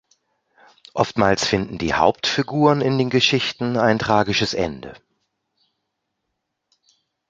Oftmals finden die Hauptfiguren in den Geschichten ein tragisches Ende.